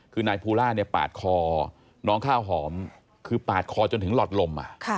คือนายภูล่าเนี่ยปาดคอน้องข้าวหอมคือปาดคอจนถึงหลอดลม